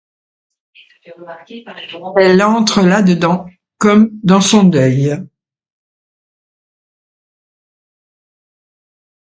Elle entra là dedans, comme dans son deuil.